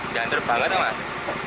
dia antur banget mas